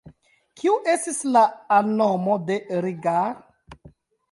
Kiu estis la alnomo de Rigar?